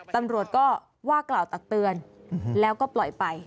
ตำรวจก็ว่ากล่าวตักเตือนแล้วก็ปล่อยไป